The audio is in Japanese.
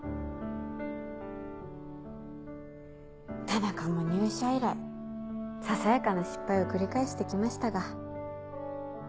田中も入社以来ささやかな失敗を繰り返して来ましたが。